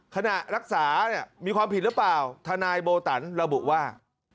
ขณะรักษาเนี่ยมีความผิดหรือเปล่าทนายโบตันระบุว่า